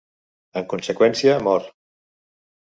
En conseqüència, mor.